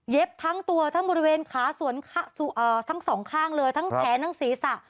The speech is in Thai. ทั้งตัวทั้งบริเวณขาทั้งสองข้างเลยทั้งแขนทั้งศีรษะ